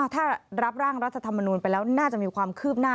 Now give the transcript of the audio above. ถ้ารับร่างรัฐธรรมนูลไปแล้วน่าจะมีความคืบหน้า